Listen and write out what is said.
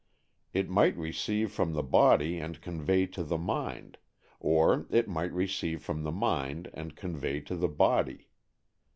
It might receive from the body and convey to the mind, or it might receive from the mind and convey to the body.